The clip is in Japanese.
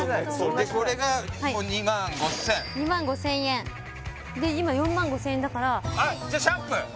んでこれがもう２万５０００２万５０００円で今４万５０００円だからはいじゃシャンプー